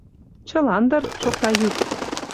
— Чылан дыр, — шокта йӱк.